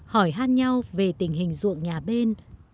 hỏi hát nhau về tình hình ruộng nhà bên